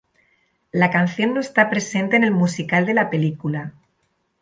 La canción no está presente en el musical de la película.